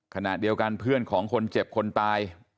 ขณะเดียวกันเพื่อนของคนเจ็บคนตาย